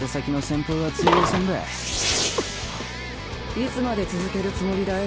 いつまで続けるつもりだい？